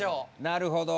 なるほど。